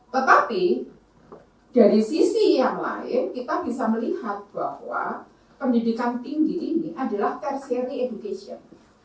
tetapi dari sisi yang lain kita bisa melihat bahwa pendidikan tinggi ini adalah tertiary education